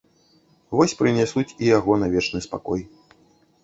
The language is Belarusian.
Вось прынясуць і яго на вечны спакой.